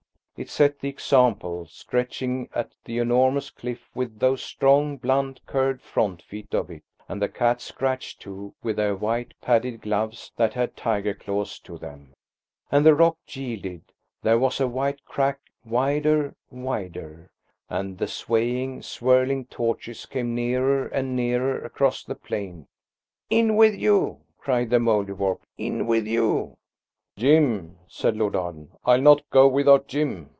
It set the example, scratching at the enormous cliff with those strong, blunt, curved front feet of it. And the cats scratched too, with their white, padded gloves that had tiger claws to them. And the rock yielded–there was a white crack–wider, wider. And the swaying, swirling torches came nearer and nearer across the plain. "In with you!" cried the Mouldiwarp; "in with you!" "Jim!" said Lord Arden. "I'll not go without Jim!"